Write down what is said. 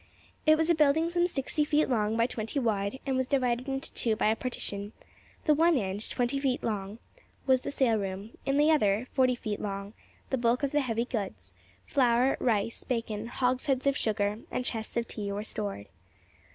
It was a building some sixty feet long by twenty wide, and was divided into two by a partition: the one end, twenty feet in length, was the saleroom; in the other, forty feet long, the bulk of the heavy goods, flour, rice, bacon, hogsheads of sugar, and chests of tea, were stored.